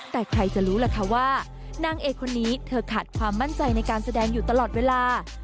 แต่ใครจะรู้ล่ะคะว่านางเอกคนนี้เธอขาดความมั่นใจในการแสดงอยู่ตลอดเวลา